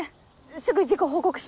すぐ事故報告します。